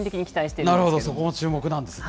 なるほど、そこも注目なんですね。